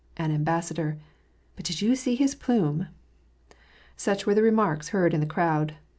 " An ambassador." '' But did you see his plume ?" Such were the remarks heard in the crowd.